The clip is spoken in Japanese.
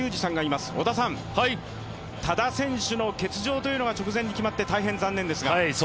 多田選手の欠場が直前に決まって大変イ残念ですが。